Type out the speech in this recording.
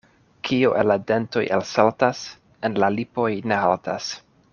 Kio el la dentoj elsaltas, en la lipoj ne haltas.